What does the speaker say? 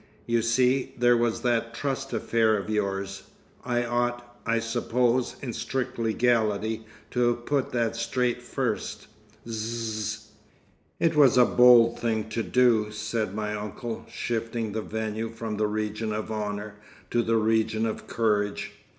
You see, there was that trust affair of yours—I ought, I suppose—in strict legality—to have put that straight first. Zzzz.... "It was a bold thing to do," said my uncle, shifting the venue from the region of honour to the region of courage.